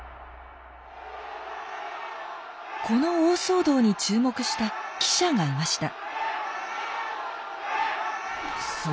この大騒動に注目した記者がいました。